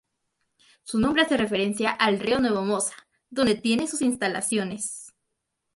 Su nombre hace referencia al rio Nuevo Mosa, donde tiene sus instalaciones.